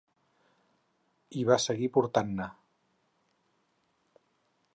I va seguir portant-ne.